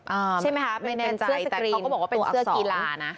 อ่าใช่ไหมฮะไม่แน่นใจแต่เขาก็บอกว่าเป็นเสื้อกีฬานะ